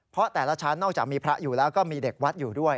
เพราะแต่ละชั้นนอกจากมีพระอยู่แล้วก็มีเด็กวัดอยู่ด้วย